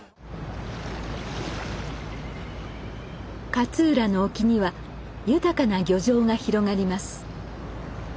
勝浦の沖には豊かな漁場が広がります。